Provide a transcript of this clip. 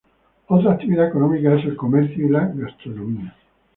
Otra actividad económica es el comercio y la gastronomía.